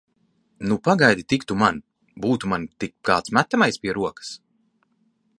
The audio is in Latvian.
Nu, pagaidi tik tu man! Būtu man tik kāds metamais pie rokas!